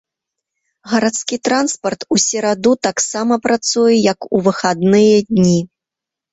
Гарадскі транспарт у сераду таксама працуе як у выхадныя дні.